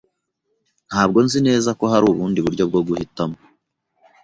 Ntabwo nzi neza ko hari ubundi buryo bwo guhitamo.